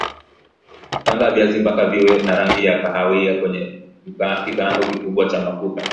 Kaanga viazi mpaka viwe na rangi ya kahawia kwenye kikaango kikubwa cha mafuta